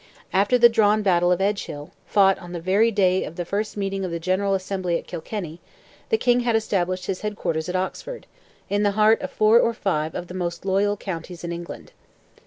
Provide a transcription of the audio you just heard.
After the drawn battle of Edgehill, fought on the very day of the first meeting of the General Assembly at Kilkenny, the King had established his head quarters at Oxford, in the heart of four or five of the most loyal counties in England.